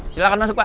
silahkan masuk pak